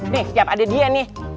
nih siap ada dia nih